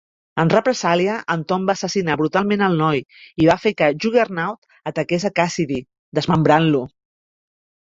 En represàlia, en Tom va assassinar brutalment el noi, i va fer que Juggernaut ataqués a Cassidy, desmembrant-lo.